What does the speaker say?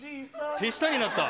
手下になった。